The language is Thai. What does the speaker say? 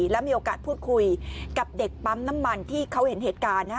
แล้วมีโอกาสพูดคุยกับเด็กปั๊มน้ำมันที่เขาเห็นเหตุการณ์